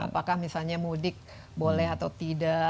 apakah misalnya mudik boleh atau tidak